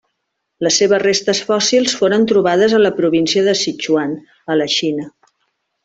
Les seves restes fòssils foren trobades a la província de Sichuan, a la Xina.